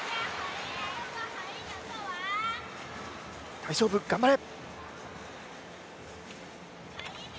大丈夫、頑張れ。